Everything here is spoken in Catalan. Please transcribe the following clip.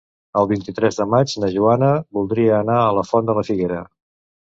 El vint-i-tres de maig na Joana voldria anar a la Font de la Figuera.